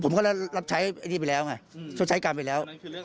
ผมก็ได้รับใช้ไอ้ที่นี่ไปแล้วไงช่วยใช้กรรมไปแล้ว